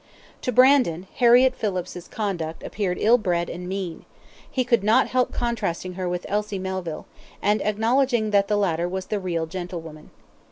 To Brandon, Harriett Phillips's conduct appeared ill bred and mean; he could not help contrasting her with Elsie Melvlle, and acknowledging that the latter was the real gentlewoman.